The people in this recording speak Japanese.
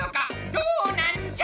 どうなんじゃ！